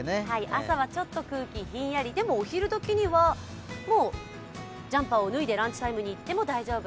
朝はちょっと空気ひんやり、でもお昼時にはジャンパーを脱いでランチタイムに行っても大丈夫。